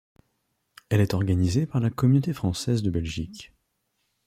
Elle est organisée par la Communauté française de Belgique.